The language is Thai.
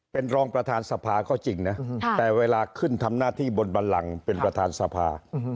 เป็นรองประธานสภาก็จริงนะแต่เวลาขึ้นทำหน้าที่บนบันลังเป็นประธานสภา